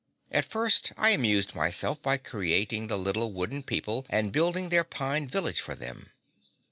At first I amused myself by creating the little wooden people and building their pine village for them.